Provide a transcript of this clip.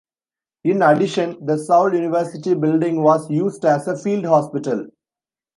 In addition, the Soule University building was used as a field hospital.